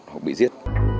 hoặc bị giết